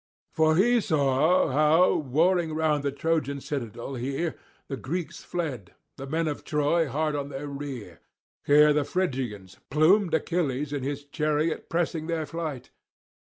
For he saw, how warring round the Trojan citadel here the Greeks fled, the men of Troy hard on their rear; here the Phrygians, plumed Achilles in his chariot pressing their flight.